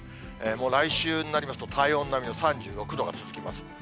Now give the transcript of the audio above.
もう来週になりますと、体温並みの３６度が続きます。